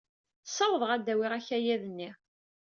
Ssawḍeɣ ad d-awyeɣ akayad-nni.